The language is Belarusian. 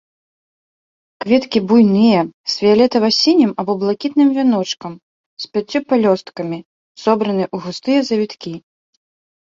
Кветкі буйныя з фіялетава-сінім або блакітным вяночкам, з пяццю пялёсткамі, сабраны ў густыя завіткі.